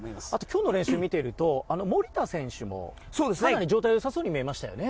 今日の練習を見ていると守田選手もかなり状態が良さそうに見えましたね。